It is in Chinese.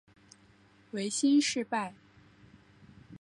维新事败。